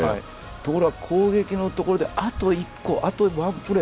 ところが攻撃のところであと１個１プレー